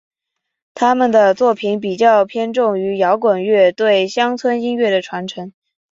他们的作品比较偏重于摇滚乐对乡村音乐的传承。